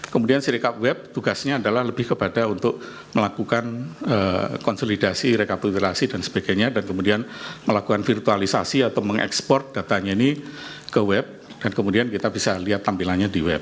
kemudian serikat web tugasnya adalah lebih kepada untuk melakukan konsolidasi rekapitulasi dan sebagainya dan kemudian melakukan virtualisasi atau mengekspor datanya ini ke web dan kemudian kita bisa lihat tampilannya di web